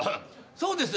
そうです。